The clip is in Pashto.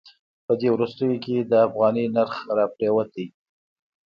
په دې وروستیو کې د افغانۍ نرخ راپریوتی.